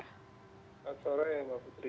selamat sore mbak putri